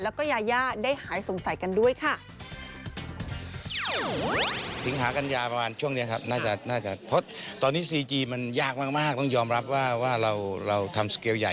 แล้วก็ยายาได้หายสงสัยกันด้วยค่ะ